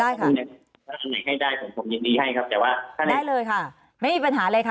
ในเรื่องสำนวนผมขออนุญาตกินไว้ก่อนลงได้ไหมครับ